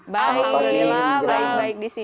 baik baik disini